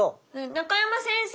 中山先生。